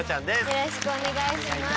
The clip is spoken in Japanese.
よろしくお願いします。